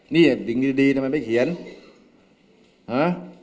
นี่สิ่งดีทำไมไม่เขียนฮะ